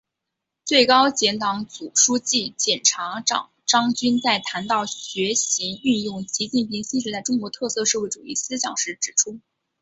最高检党组书记、检察长张军在谈到学习运用习近平新时代中国特色社会主义思想时指出